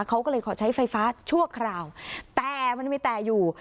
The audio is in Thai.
เขาก็เลยขอใช้ไฟฟ้าชั่วคราวแต่มันมีแต่อยู่